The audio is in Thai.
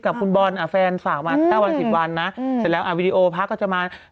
กับคุณบอลแฟนฝากมา๙วัน๑๐วันนะเสร็จแล้วอ่ะวิดีโอพักก็จะมา